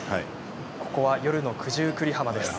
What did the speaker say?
ここは夜の九十九里浜です。